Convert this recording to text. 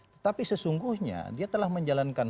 jadi sungguhnya dia telah menjalankan